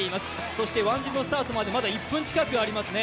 そしてワンジルのスタートまでまだ１分近くありますね。